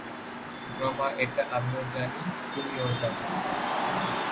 রামা এটা আমিও জানি, তুমিও জানো।